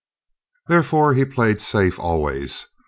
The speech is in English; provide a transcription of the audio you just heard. Therefore he played safe always.